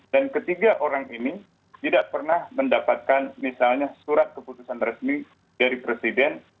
dan ketiga orang ini tidak pernah mendapatkan misalnya surat keputusan resmi dari presiden